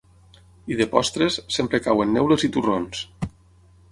I de postres, sempre cauen neules i torrons.